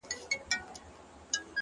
د نورو د ستم په گيلاسونو کي ورک نه يم”